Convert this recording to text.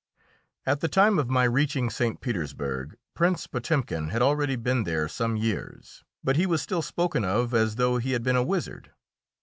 At the time of my reaching St. Petersburg, Prince Potemkin had already been there some years, but he was still spoken of as though he had been a wizard.